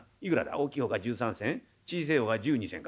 大きい方が１３銭小せえ方が１２銭か。